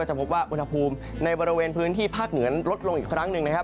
พบว่าอุณหภูมิในบริเวณพื้นที่ภาคเหนือลดลงอีกครั้งหนึ่งนะครับ